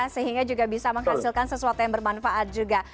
sehingga juga bisa menghasilkan sesuatu yang bermanfaat juga